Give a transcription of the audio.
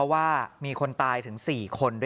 ยายถามนิ่งแต่เจ็บลึกถึงใจนะ